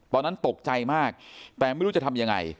ตอนนั้นตกใจมากแต่ไม่รู้จะทำยังไง